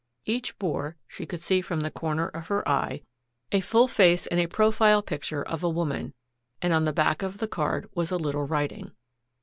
Each bore, she could see from the corner of her eye, a full face and a profile picture of a woman, and on the back of the card was a little writing.